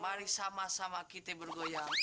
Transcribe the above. mari sama sama kita bergoyang